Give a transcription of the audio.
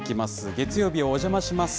月曜日おじゃまします！